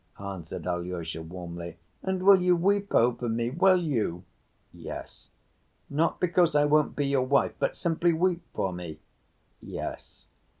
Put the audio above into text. answered Alyosha warmly. "And will you weep over me, will you?" "Yes." "Not because I won't be your wife, but simply weep for me?" "Yes."